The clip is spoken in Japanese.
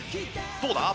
どうだ？